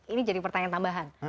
ini jadi pertanyaan tambahan